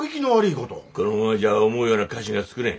このままじゃ思うような菓子が作れん。